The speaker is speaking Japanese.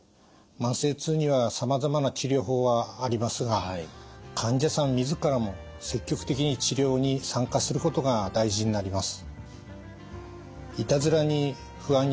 慢性痛にはさまざまな治療法はありますが患者さん自らも積極的に治療に参加することが大事になります。